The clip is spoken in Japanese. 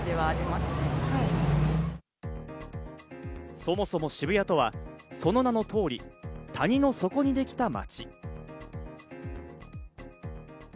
そもそも渋谷とは、その名の通り、谷の底にできた街。